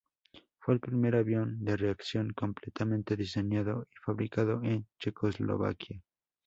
Fue el primer avión de reacción completamente diseñado y fabricado en Checoslovaquia.